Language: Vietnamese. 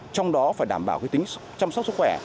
trong đó phải đảm bảo tính chăm sóc sức khỏe